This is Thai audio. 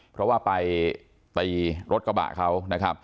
เพราะว่าตีรถกระบะเขา